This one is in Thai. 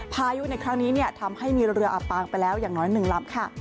พายุในครั้งนี้ทำให้มีเรืออับปางไปแล้วอย่างน้อย๑ลำค่ะ